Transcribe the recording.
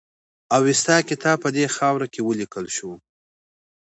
اوستا کتاب په دې خاوره کې ولیکل شو